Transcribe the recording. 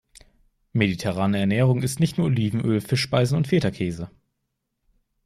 Mediterrane Ernährung ist nicht nur Olivenöl, Fischspeisen und Fetakäse.